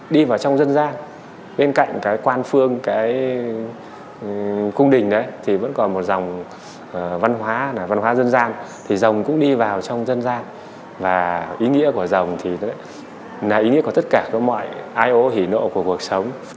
đi vào trong dân gian bên cạnh cái quan phương cái cung đình đấy thì vẫn còn một dòng văn hóa là văn hóa dân gian thì rồng cũng đi vào trong dân gian và ý nghĩa của rồng thì là ý nghĩa của tất cả mọi ai ố hỉ nộ của cuộc sống